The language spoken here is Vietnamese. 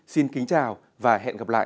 xin kính chào và hẹn gặp lại